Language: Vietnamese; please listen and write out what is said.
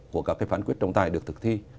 của các phản quyết trồng tài được thực thi